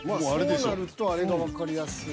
そうなるとあれがわかりやすい。